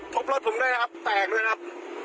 พบรถผมด้วยนะครับแตกด้วยนะครับ